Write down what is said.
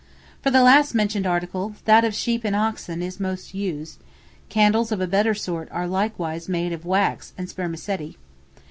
For the last mentioned article, that of sheep and oxen is most used; candles of a better sort are likewise made of wax and spermaceti.